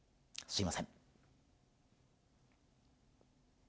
すいません。